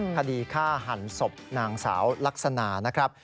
คดีฆ่าหันศพนางสาวลักษณะนะครับ